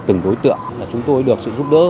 từng đối tượng là chúng tôi được sự giúp đỡ